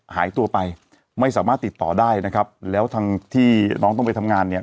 หายตัวไปไม่สามารถติดต่อได้นะครับแล้วทางที่น้องต้องไปทำงานเนี่ย